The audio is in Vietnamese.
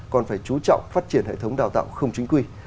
còn phải chú trọng phát triển hệ thống đào tạo không chính quy